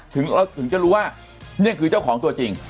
ถึงจะรู้ว่านี่คือเจ้าของตัวจริง